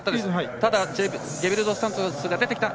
ただゲベルドスサントスが出てきた。